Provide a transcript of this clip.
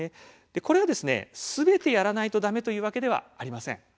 これら、すべてやらないとだめというわけではありません。